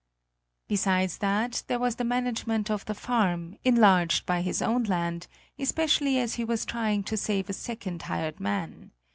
Besides that, there was the management of the farm, enlarged by his own land, especially as he was trying to save a second hired man.